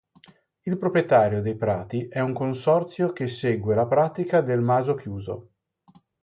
Il proprietario dei prati è un consorzio che segue la pratica del maso chiuso.